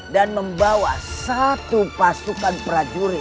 dan membawa satu pasukan prajurit